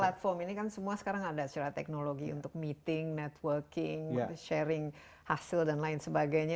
platform ini kan semua sekarang ada secara teknologi untuk meeting networking sharing hasil dan lain sebagainya